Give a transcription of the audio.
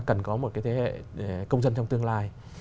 cần có một cái thế hệ công dân trong tương lai